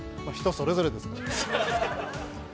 人それぞれですから。